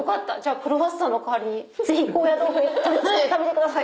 クロワッサンの代わりにぜひ高野豆腐入り鶏つくね食べてください。